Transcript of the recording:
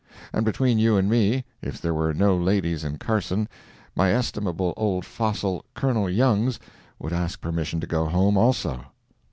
And between you and me, if there were no ladies in Carson, my estimable old fossil, Colonel Youngs, would ask permission to go home, also.